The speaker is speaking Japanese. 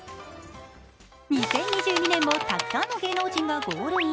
２０２２年もたくさんの芸能人がゴールイン。